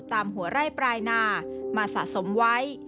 ตามหัวไร้ปรายนามาสะสมไว้